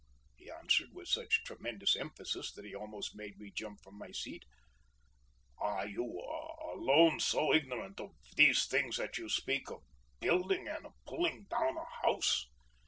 he answered, with such tremendous emphasis that he almost made me jump from my seat. "Are you alone so ignorant of these things that you speak of building and of pulling down a house?"